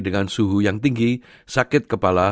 dengan suhu yang tinggi sakit kepala